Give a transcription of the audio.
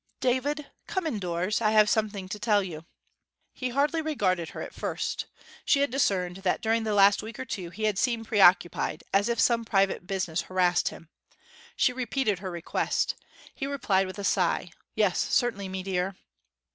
'David, come indoors. I have something to tell you.' He hardly regarded her at first. She had discerned that during the last week or two he had seemed preoccupied, as if some private business harassed him. She repeated her request. He replied with a sigh, 'Yes, certainly, mee deer.'